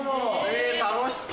楽しそう。